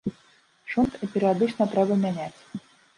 Шунт перыядычна трэба мяняць.